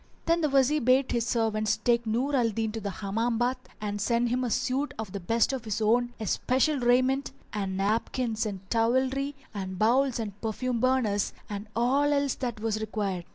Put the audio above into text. Then the Wazir bade his servants take Nur al Din to the Hammam baths and sent him a suit of the best of his own especial raiment, and napkins and towelry and bowls and perfume burners and all else that was required.